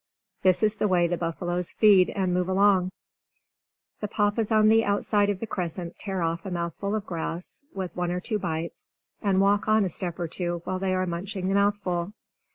This is the way the buffaloes feed and move along: The Papas on the outside of the crescent tear off a mouthful of grass, with one or two bites, and walk on a step or two while they are munching the mouthful.